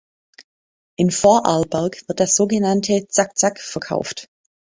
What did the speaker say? In Vorarlberg wird das sogenannte "Zack Zack" verkauft.